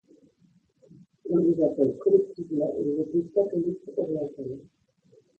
On les appelle collectivement les Églises catholiques orientales.